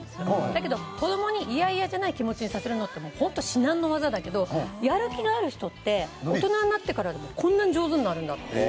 だけど子供に嫌々じゃない気持ちにさせるのってホント至難の業だけどやる気のある人って大人になってからでもこんなに上手になるんだって。